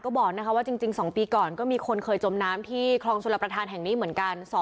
บอกว่าจริง๒ปีก่อนก็มีคนเคยจมน้ำที่คลองชลประธานแห่งนี้เหมือนกัน